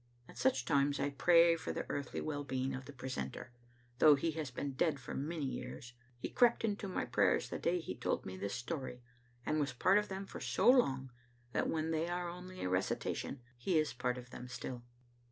At such times I pray for the earthly well being of the precentor, though he has been dead for many years. He crept into my prayers the day he told me this story, and was part of them for so long that when they are only a recitation he is part of them still.